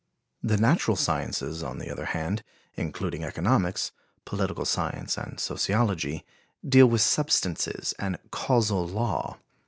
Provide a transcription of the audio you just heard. The natural sciences, on the other hand, including economics, political science and sociology, deal with substances and causal law.